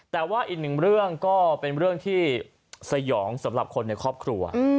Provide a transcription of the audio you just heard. แต่ว่าอีกหนึ่งเรื่องก็เป็นเรื่องที่สยองสำหรับคนในครอบครัว